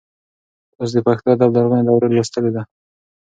تاسو د پښتو ادب لرغونې دوره لوستلې ده؟